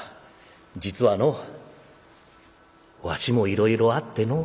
実はのうわしもいろいろあってのう」。